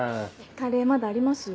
カレーまだありますよ